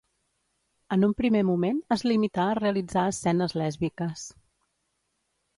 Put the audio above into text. En un primer moment es limità a realitzar escenes lèsbiques.